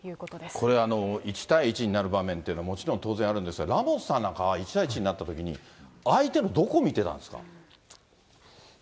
これ、１対１になる場面って、もちろん当然あるんですが、ラモスさんなんかは、１対１になったときに、相手のどこを見てたんですか。